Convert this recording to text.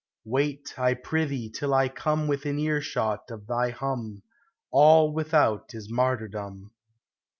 Wait, T prithee, till I come Within earshot of thy hum, — All without is martyrdom.